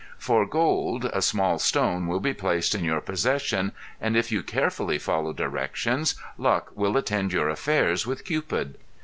For gold a small stone will be placed in your possession and if you carefully follow directions, luck will attend your affairs with Cupid.